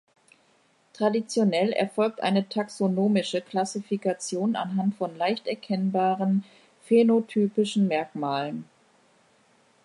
Traditionell erfolgt eine taxonomische Klassifikation anhand von leicht erkennbaren phänotypischen Merkmalen.